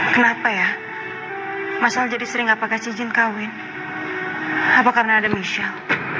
kenapa ya masalah jadi sering apa kasih izin kawin apa karena ada misal